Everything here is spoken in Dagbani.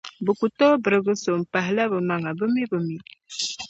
Bɛ ku tooi birigi so m-pahila bɛ maŋa, bɛ mi bi mi.